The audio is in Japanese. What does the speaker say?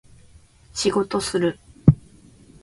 仕事する